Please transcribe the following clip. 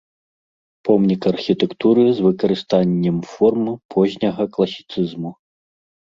Помнік архітэктуры з выкарыстаннем форм позняга класіцызму.